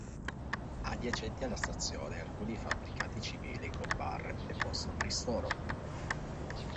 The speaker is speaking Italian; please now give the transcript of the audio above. Adiacenti alla stazione alcuni fabbricati civili con bar e posto di ristoro.